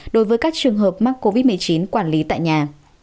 đối với các trường hợp mắc covid một mươi chín quản lý tại nhà